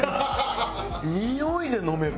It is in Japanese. においで飲める。